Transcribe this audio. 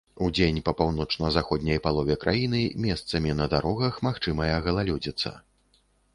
Удзень па паўночна-заходняй палове краіны месцамі на дарогах магчымая галалёдзіца.